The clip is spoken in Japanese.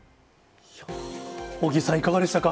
尾木さん、いかがでしたか。